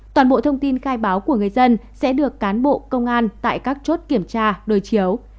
toàn bộ thông tin khai báo của người dân sẽ được cán bộ công an tại các chốt kiểm tra đối chiếu